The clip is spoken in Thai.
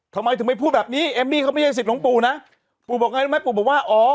ทำไมถึงไม่พูดแบบนี้เอมมี่ก็ไม่ใช่สิทธิ์หลวงปู่นะปู่บอกไงรู้ไหมปู่บอกว่าอ๋อ